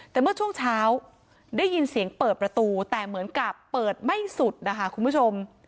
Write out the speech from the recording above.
แต่เมื่อช่วงเช้าได้ยินเสียงเปิดประตูแต่เหมือนกับเปิดไม่สุดนะคะคุณผู้ชม